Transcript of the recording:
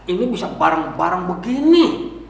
ini bisa bareng bareng begini